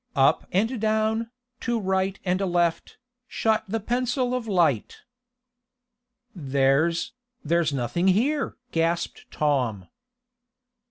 Up and down, to right and left, shot the pencil of light. "There's there's nothing here!" gasped Tom.